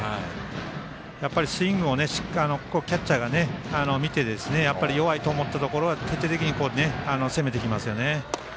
やっぱりスイングをキャッチャーが見て弱いと思ったところを徹底的に攻めていきますよね。